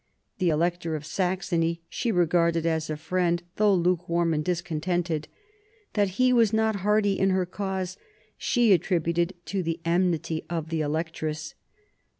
The Elector of Saxony she regarded as a friend, though lukewarm and discontented. That he was not hearty in her cause she attributed to the enmity of the Electress.